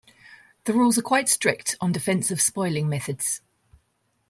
The rules are quite strict on defensive spoiling methods.